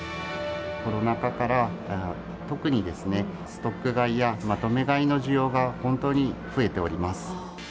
コロナ禍から特にですね、ストック買いやまとめ買いの需要が本当に増えております。